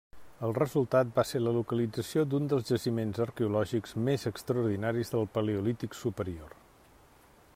El resultat va ser la localització d'un dels jaciments arqueològics més extraordinaris del paleolític superior.